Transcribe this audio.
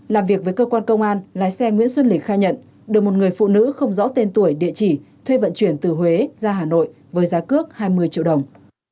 làm việc với cơ quan công an lái xe nguyễn xuân lịch khai nhận được một người phụ nữ không rõ tên tuổi địa chỉ thuê vận chuyển từ huế ra hà nội với giá cước hai mươi triệu đồng